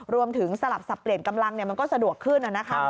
รวมถึงสลับสับเปลี่ยนกำลังมันก็สะดวกขึ้นแล้วนะคะ